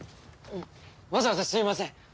わざわざすいません。